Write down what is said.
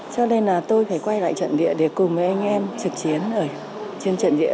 cho nên là tôi phải quay lại trận địa để cùng với anh em trực chiến ở trên trận địa